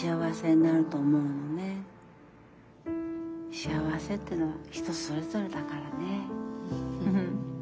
幸せってのは人それぞれだからねぇ。